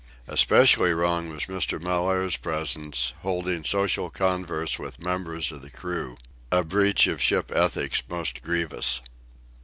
Especially wrong was Mr. Mellaire's presence, holding social converse with members of the crew—a breach of ship ethics most grievous.